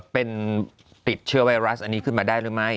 เป็นติดเชื้อไวรัสอันนี้ขึ้นมาได้หรือไม่